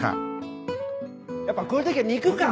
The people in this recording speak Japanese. やっぱこういう時は肉か！